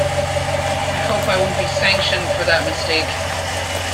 I hope I won't be sanctioned for that mistake.